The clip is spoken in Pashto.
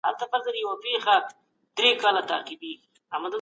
اقتصادي پرمختیا د پوهانو لخوا په مختلفو ډولونو تعریف سوې ده.